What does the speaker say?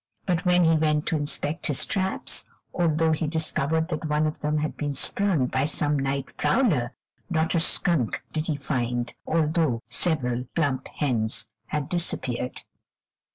But when he went to inspect his traps, although he discovered that one of them had been sprung by some night prowler, not a skunk did he find, although several plump hens had disappeared.